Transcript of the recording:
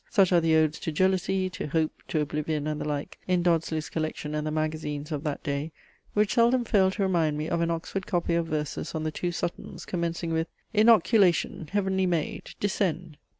Such are the Odes to jealousy, to Hope, to Oblivion, and the like, in Dodsley's collection and the magazines of that day, which seldom fail to remind me of an Oxford copy of verses on the two SUTTONS, commencing with "Inoculation, heavenly maid! descend!"